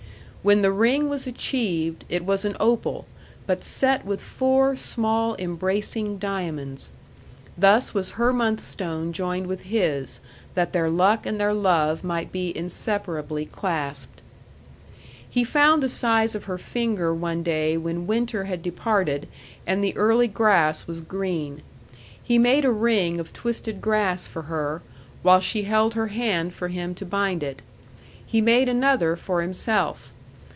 When the ring was achieved, it was an opal, but set with four small embracing diamonds. Thus was her month stone joined with his, that their luck and their love might be inseparably clasped. He found the size of her finger one day when winter had departed, and the early grass was green. He made a ring of twisted grass for her, while she held her hand for him to bind it. He made another for himself.